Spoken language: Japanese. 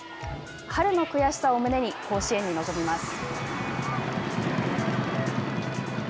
春の悔しさを胸に甲子園に臨みます。